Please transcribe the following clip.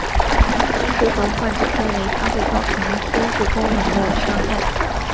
医师和患者认为它会造成心智功能的伤害。